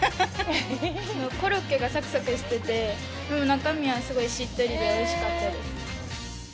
コロッケがさくさくしていて、中身はすごいしっとりでおいしかったです。